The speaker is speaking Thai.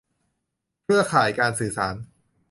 เครือข่ายการสื่อสาร